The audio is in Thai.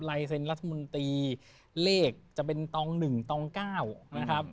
ลายเซ็นรัฐมนตรีเลขจะเป็นตอง๑ตอง๙นะครับ